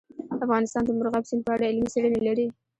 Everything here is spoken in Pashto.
افغانستان د مورغاب سیند په اړه علمي څېړنې لري.